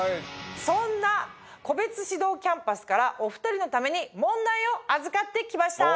そんな個別指導キャンパスからお２人のために問題を預かって来ました。